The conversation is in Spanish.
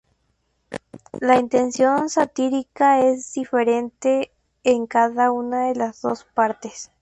La intención satírica es diferente en cada una de las dos partes.